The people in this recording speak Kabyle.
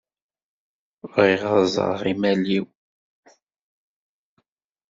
Bɣiɣ ad ẓreɣ imal-iw.